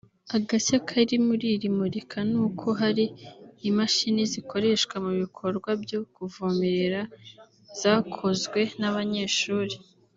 Agashya kari muri iri murika ni uko hari imashini zikoreshwa mu bikorwa byo kuvomerera zakozwe n’abanyeshuri